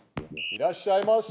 いらっしゃいませ！